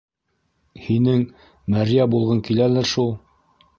Һинең мәрйә булғың киләлер шул.